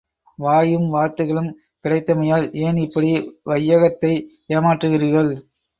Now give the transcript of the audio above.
வாயும் வார்த்தைகளும் கிடைத்தமையால் ஏன் இப்படி வையகத்தை ஏமாற்றுகிறீர்கள்?